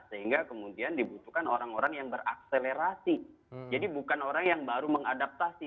sehingga kemudian dibutuhkan orang orang yang berakselerasi jadi bukan orang yang baru mengadaptasi